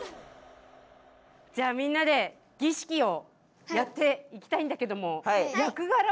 じゃあみんなで儀式をやっていきたいんだけどもだれが何やる？